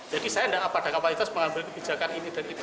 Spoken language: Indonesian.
jadi saya tidak ada kapalitas mengambil kebijakan ini dan itu